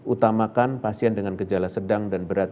utamakan pasien dengan gejala sedang dan berat